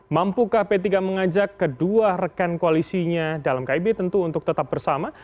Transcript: mampukah p tiga mengajak kedua rekan koalisinya dalam kib tentu untuk tetap bersama